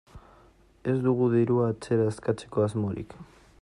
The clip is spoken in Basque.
Ez dugu dirua atzera eskatzeko asmorik.